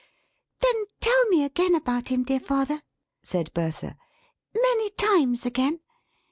"Then, tell me again about him, dear father," said Bertha. "Many times again!